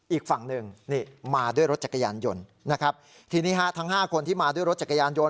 อีกฝั่งหนึ่งนี่มาด้วยรถจักรยานยนต์นะครับทีนี้ฮะทั้งห้าคนที่มาด้วยรถจักรยานยนต